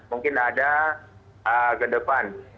mungkin ada ke depan